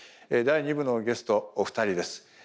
第二部のゲストお二人です。